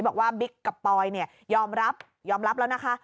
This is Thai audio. บอกว่าบิ๊กกับปลอยยอมรับยอมรับแล้วนะคะ